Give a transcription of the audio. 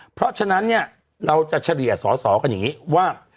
เพราะฉะนั้นเนี่ยเราจะเฉลี่ยสอสอกันอย่างนี้ว่า